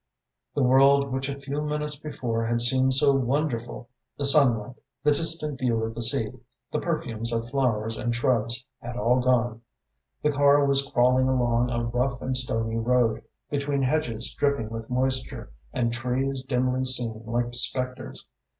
The world which a few moments before had seemed so wonderful, the sunlight, the distant view of the sea, the perfumes of flowers and shrubs, had all gone. The car was crawling along a rough and stony road, between hedges dripping with moisture and trees dimly seen like spectres.